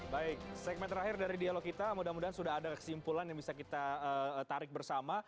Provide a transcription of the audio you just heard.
baik segmen terakhir dari dialog kita mudah mudahan sudah ada kesimpulan yang bisa kita tarik bersama